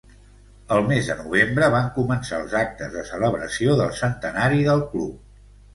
El mes de novembre van començar els actes de celebració del Centenari del Club.